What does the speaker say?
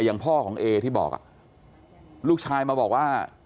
อย่างพ่อของเอที่บอกลูกชายมาบอกว่า